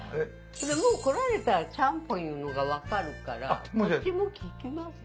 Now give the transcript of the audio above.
もう来られたらちゃんぽんいうのが分かるから口も利きません。